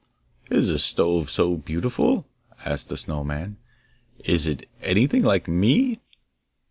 'Is a stove so beautiful?' asked the Snow man. 'Is it anything like me?